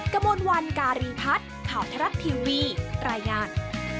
กระมวลวันการีพัฒน์ข่าวทรัฐทีวีรายงาน